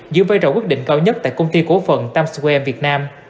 giữ vây rộng quyết định cao nhất tại công ty cổ phận times square việt nam